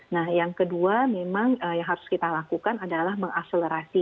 nah yang kedua memang yang harus kita lakukan adalah mengakselerasi